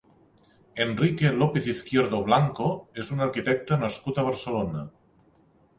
Enrique López-Izquierdo Blanco és un arquitecte nascut a Barcelona.